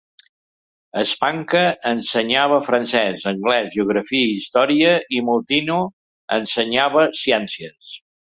Espanca ensenyava francès, anglès, geografia i història i Moutinho ensenyava ciències.